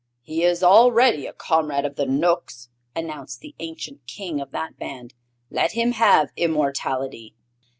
"He is already a comrade of the Knooks," announced the ancient King of that band. "Let him have immortality!"